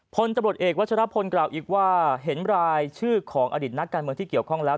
พลตำรวจเอกวัชรพลกล่าวอีกว่าเห็นรายชื่อของอดิตนักการเมืองที่เกี่ยวข้องแล้ว